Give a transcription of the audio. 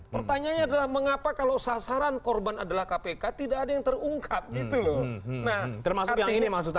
pertanyaannya adalah mengapa kalau sasaran korban adalah kpk tidak ada yang terungkap gitu loh